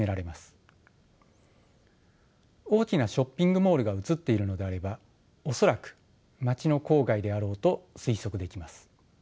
大きなショッピングモールが写っているのであれば恐らく街の郊外であろうと推測できます。